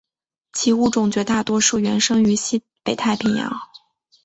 其物种绝大多数原生于西北太平洋。